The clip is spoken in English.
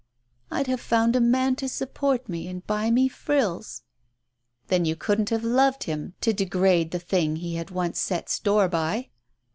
"I'd have found a man to support me and buy me frills !" "Then you couldn't have loved him, to degrade the thing he had once set store by."